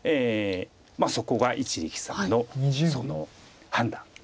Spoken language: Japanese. そこが一力さんの判断です。